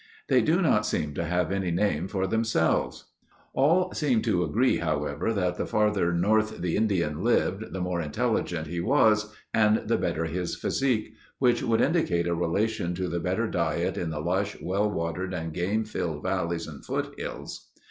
"They do not seem to have any names for themselves." (Schoolcraft's Arch., Vol. 3.) All seem to agree however, that the farther north the Indian lived, the more intelligent he was and the better his physique—which would indicate a relation to the better diet in the lush, well watered and game filled valleys and foothills.